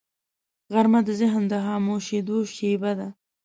غرمه د ذهن د خاموشیدو شیبه ده